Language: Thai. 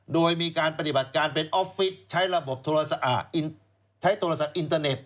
โดยมีการปฏิบัติการเป็นออฟฟิศใช้ระบบใช้โทรศัพท์อินเทอร์เน็ต